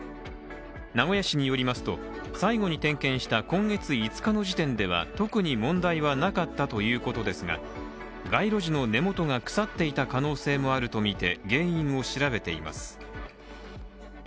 名古屋市によりますと最後に点検した今月５日の時点では特に問題はなかったということですが街路樹の根元が腐っていた可能性もあるとみて原因を調べています。